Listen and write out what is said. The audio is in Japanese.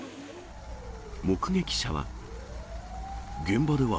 目撃者は。